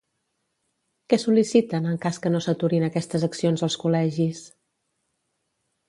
Què sol·liciten en cas que no s'aturin aquestes accions als col·legis?